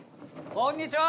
こんにちは。